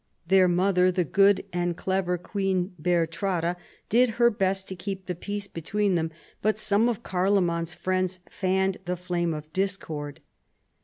Their mother, the good and clever queen Bertrada, did her best to keep the peace be tween them, but some of Carloman's friends fanned the flame of discord.